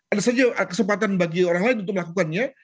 ada saja kesempatan bagi orang lain untuk melakukannya